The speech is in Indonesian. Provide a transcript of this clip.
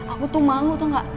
aku tuh malu tuh gak